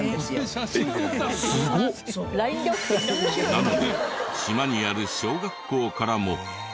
なので島にある小学校からも。